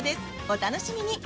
お楽しみに。